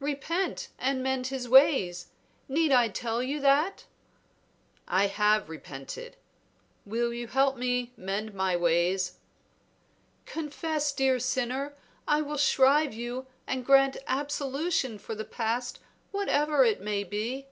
"Repent and mend his ways; need I tell you that?" "I have repented; will you help me mend my ways?" "Confess, dear sinner; I will shrive you and grant absolution for the past, whatever it may be."